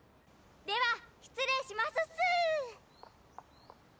では失礼しますっす！